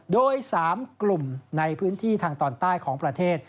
โดย๓กลุ่มในพื้นที่ทางตอนใต้ของประเทศ